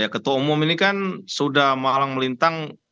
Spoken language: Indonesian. ketua umum ini kan sudah mahalang melintang